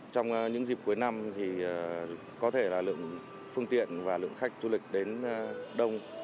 trong những dịp cuối năm thì có thể là lượng phương tiện và lượng khách du lịch đến đông